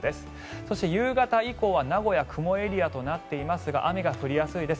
そして夕方以降は名古屋雲エリアとなっていますが雨が降りやすいです。